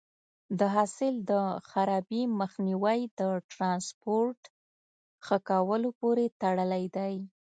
د حاصل د خرابي مخنیوی د ټرانسپورټ ښه کولو پورې تړلی دی.